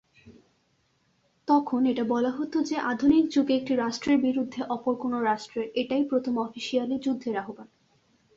তখন এটা বলা হত যে, আধুনিক যুগে একটি রাষ্ট্রের বিরুদ্ধে অপর কোন রাষ্ট্রের এটাই প্রথম অফিসিয়ালি যুদ্ধের আহবান।